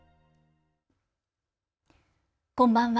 こんばんは。